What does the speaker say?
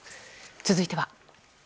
続いては。